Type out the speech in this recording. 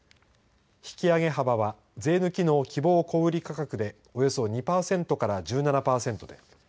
引き上げ幅は税抜きの希望小売価格でおよそ２パーセントから１７パーセント